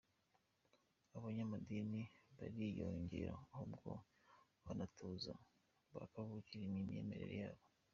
Abanyamadini bariyongeye ahubwo banatoza ba kavukire iby’imyemerere yabo.